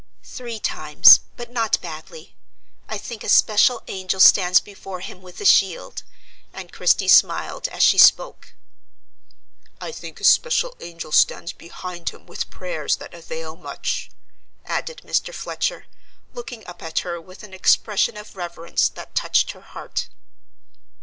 "Three times, but not badly. I think a special angel stands before him with a shield;" and Christie smiled as she spoke. "I think a special angel stands behind him with prayers that avail much," added Mr. Fletcher, looking up at her with an expression of reverence that touched her heart.